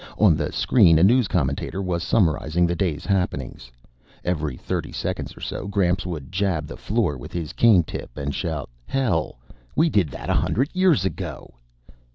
On the screen, a news commentator was summarizing the day's happenings. Every thirty seconds or so, Gramps would jab the floor with his cane tip and shout, "Hell, we did that a hundred years ago!"